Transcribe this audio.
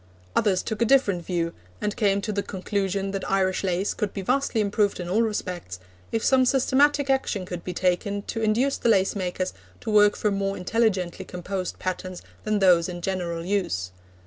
Others took a different view, and came to the conclusion that Irish lace could be vastly improved in all respects, if some systematic action could be taken to induce the lace makers to work from more intelligently composed patterns than those in general use.